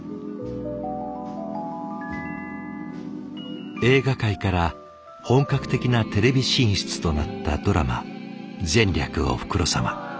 基本的に映画界から本格的なテレビ進出となったドラマ「前略おふくろ様」。